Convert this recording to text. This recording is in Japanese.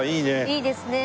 いいですね。